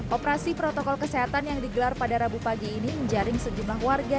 operasi protokol kesehatan yang digelar pada rabu pagi ini menjaring sejumlah warga